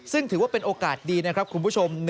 ซึ่งถือว่าเป็นโอกาสดีนะครับคุณผู้ชม